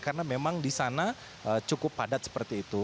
karena memang di sana cukup padat seperti itu